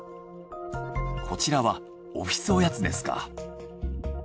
こちらは「オフィスおやつ」ですか。